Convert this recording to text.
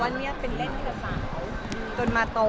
เดินเร็วมาก